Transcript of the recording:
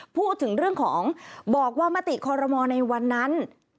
พูดถึงเรื่องของบอกว่ามติคอรมอลในวันนั้น